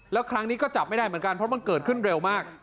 แล้วครั้งนี้ก็จับไม่ได้เหมือนกันเพราะมันเกิดขึ้นเร็วมาก